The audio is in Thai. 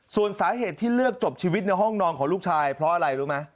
ส่วนสาเหตุที่เลือกจบชีวิตในห้องนอนของลูกชายเพราะอะไรรู้ไหม